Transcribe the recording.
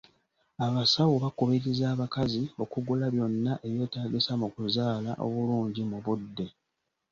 Abasawo bakubiriza abakazi okugula byonna ebyetaagisa mu kuzaala obulungi mu budde.